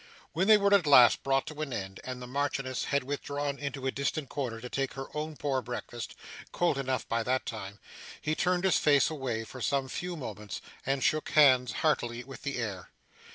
When they were at last brought to an end, and the Marchioness had withdrawn into a distant corner to take her own poor breakfast (cold enough by that time), he turned his face away for some few moments, and shook hands heartily with the air.